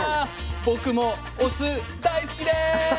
僕もお酢大好きです！